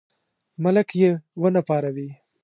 ملک یې ونه پاروي.